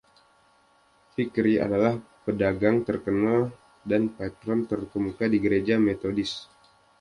Vickery adalah pedagang terkenal dan patron terkemuka di Gereja Methodist.